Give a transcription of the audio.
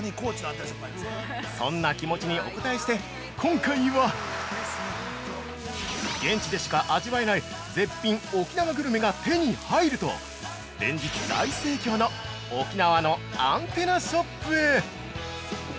そんな気持ちにお応えして、今回は、現地でしか味わえない絶品沖縄グルメが手に入ると連日大盛況の沖縄のアンテナショップへ！！